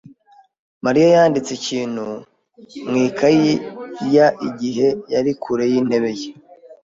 Mariya yanditse ikintu mu ikaye ya igihe yari kure yintebe ye.